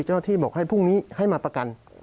เจ้าหน้าที่บอกให้พรุ่งนี้ให้มาประกัน